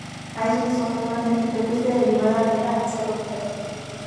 A eso se sumó una terrible peste derivada de la insalubridad.